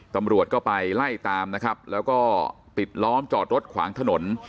ตำรวจก็ไปไล่ตามนะครับแล้วก็ปิดล้อมจอดรถขวางถนน